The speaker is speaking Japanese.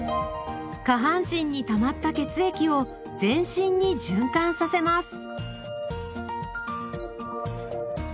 下半身にたまった血液を全身に循環させます。